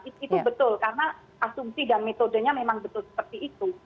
itu betul karena asumsi dan metodenya memang betul seperti itu